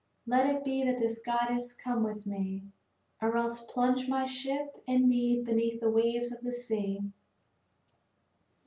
Let it be that this goddess come with me, or else plunge my ship and me beneath the waves of the sea."